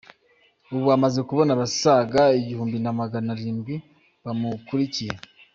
Ubu amaze kubona abasaga igihumbi na magana arindwi bamukurikiye.